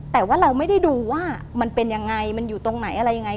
แต่ว่าเราไม่ได้ดูว่ามันเป็นยังไงมันอยู่ตรงไหนอะไรยังไง